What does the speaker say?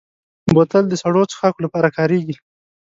بوتل د سړو څښاکو لپاره کارېږي.